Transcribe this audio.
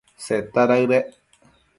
Seta daëdec